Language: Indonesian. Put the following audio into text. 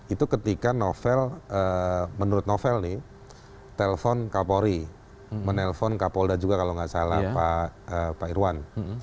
itu ketika novel menurut novel nih telpon kapolri menelpon kapolda juga kalau nggak salah pak irwan